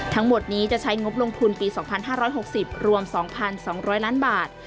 ทั้งหมดนี้จะใช้งบลงทุนปี๒๕๖๐รวม๒๒๐๐ล้านบาท